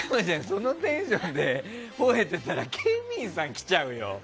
そのテンションで吠えてたら警備員さん来ちゃうよ？